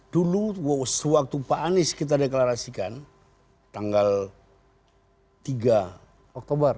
dulu sewaktu pak anies kita deklarasikan tanggal tiga oktober